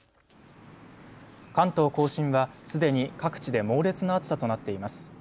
関東甲信は、すでに各地で猛烈な暑さとなっています。